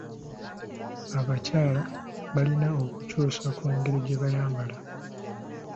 Abakyala balina okukyusa ku ngeri gye bayambala.